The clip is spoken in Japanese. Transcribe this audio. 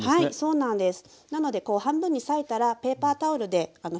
そうなんです。